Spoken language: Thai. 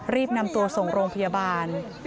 รีบนำตัวส่งโรงพยาบาล